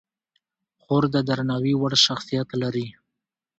خور د درناوي وړ شخصیت لري.